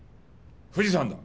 富士山だ。